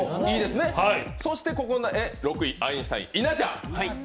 そして６位、アインシュタイン稲ちゃん。